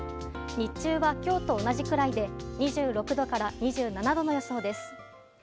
日中は今日と同じくらいで２６度から２７度の予想です。